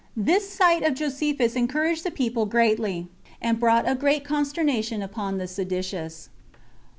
This sight of Josephus encouraged the people greatly, and brought a great consternation upon the seditious.